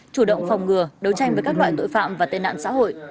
chủ động phòng ngừa đấu tranh với các loại tội phạm và tên nạn xã hội